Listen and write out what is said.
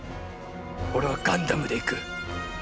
俺はガンダムでいく。